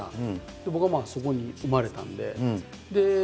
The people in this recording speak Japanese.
で僕はそこに生まれたんで。